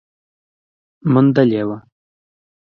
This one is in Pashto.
موندلې وه